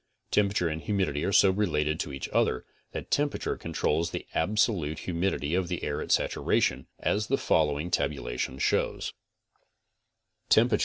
Temperature and humidity are so related to each other that tem perature controls the absolute humidity of the air at saturation, as the following tabulation shows: Vapor wt.